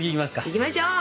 いきましょう！